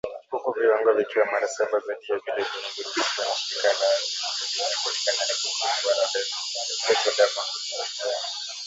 Huku viwango vikiwa mara saba zaidi ya vile vinavyoruhusiwa na shirika la afya duniani, kulingana na ripoti ya ubora wa hewa iliyotolewa mwaka uliopita.